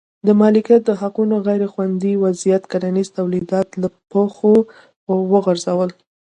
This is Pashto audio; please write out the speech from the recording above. د مالکیت د حقونو غیر خوندي وضعیت کرنیز تولیدات له پښو وغورځول.